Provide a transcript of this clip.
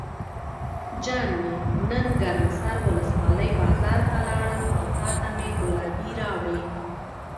جان مې نن ګرم سر ولسوالۍ بازار ته لاړم او تاته مې ګلابي راوړې.